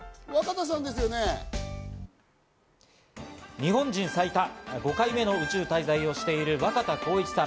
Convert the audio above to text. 日本人最多５回目の宇宙滞在をしている若田光一さん。